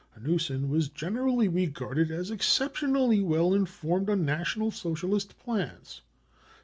Hanussen was generally regarded as exceptionally well informed on National Socialist plans.